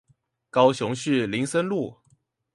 高雄市林森路